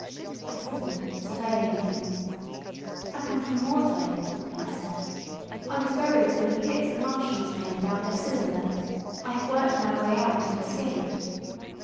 I thought, surveying him. "I come from Mortlake," I said. "I was buried near the pit the Martians made about their cylinder. I have worked my way out and escaped."